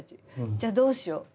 じゃあどうしよう？」。